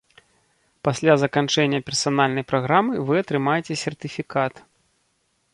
Пасля заканчэння персанальнай праграмы вы атрымаеце сертыфікат.